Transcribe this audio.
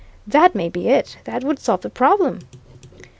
That may be it that would solve the problem!"